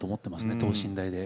等身大で。